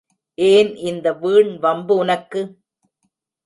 ஏன் இந்த வீண் வம்பு உனக்கு?